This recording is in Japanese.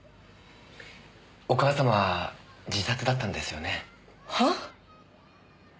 お母様は自殺だったんですよね？は？